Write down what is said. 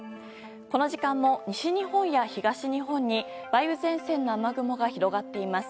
この時間も西日本や東日本に梅雨前線の雨雲が広がっています。